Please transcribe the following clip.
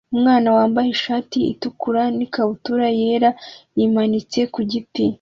Umwana wambaye ishati itukura n'ikabutura yera yimanitse ku giti